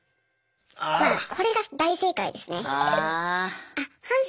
まあこれが大正解ですね。